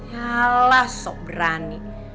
ya lah sok berani